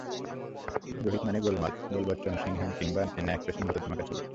রোহিত মানেই গোলমাল, বোল বচ্চন, সিংহাম কিংবা চেন্নাই এক্সপ্রেস-এর মতো ধামাকা ছবি।